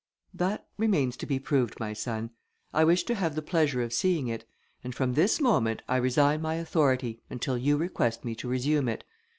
"That remains to be proved, my son. I wish to have the pleasure of seeing it; and from this moment, I resign my authority, until you request me to resume it.